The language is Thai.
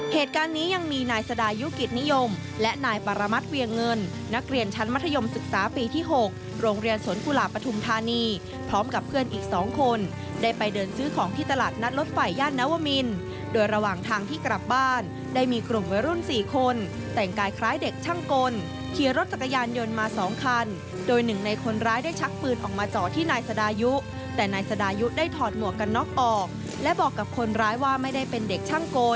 เหตุการณ์นี้ยังมีนายสดายุกิจนิยมและนายปรมัตต์เวียงเงินนักเรียนชั้นมัธยมศึกษาปีที่หกโรงเรียนสนฟุลาปทุมธานีพร้อมกับเพื่อนอีกสองคนได้ไปเดินซื้อของที่ตลาดนัดรถไฟย่านนวมินโดยระหว่างทางที่กลับบ้านได้มีกลุ่มวัยรุ่นสี่คนแต่งกายคล้ายเด็กช่างกลเฮียรถจักรยานยนต์มา